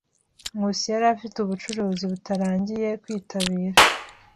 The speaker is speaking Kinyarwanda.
Nkusi yari afite ubucuruzi butarangiye kwitabira.